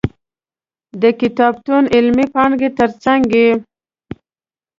د کتابتون علمي پانګې تر څنګ یې.